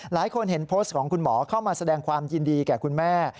หลายคนเห็นโพสต์ของคุณหมอเข้ามาแสดงความยินดีแก่คุณแม่